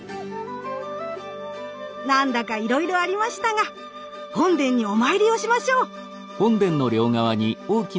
何だかいろいろありましたが本殿にお参りをしましょう。